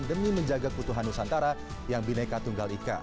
demi menjaga keutuhan nusantara yang bineka tunggal ika